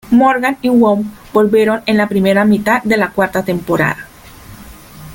Morgan y Wong volvieron en la primera mitad de la cuarta temporada.